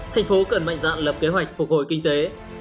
thành phố cần mạnh dạn lập kế hoạch phục hồi kinh tế